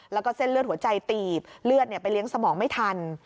แล้วก็เส้นเลือดหัวใจตีบเลือดไปเลี้ยงสมองไม่ทัน